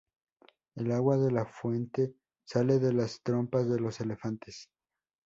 El agua de la fuente sale de las trompas de los elefantes.